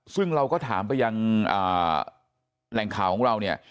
ซึ่งเราก็ถามไปยังแหล่งข่าวของเราเนี่ย